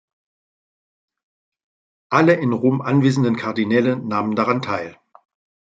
Alle in Rom anwesenden Kardinäle nahmen daran teil.